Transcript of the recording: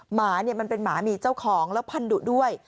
หมาเป็นหมามีเจ้าของแล้วพันดุด้วย